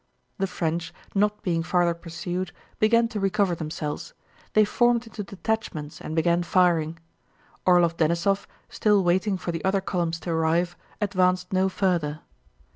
The French, not being farther pursued, began to recover themselves: they formed into detachments and began firing. Orlóv Denísov, still waiting for the other columns to arrive, advanced no further.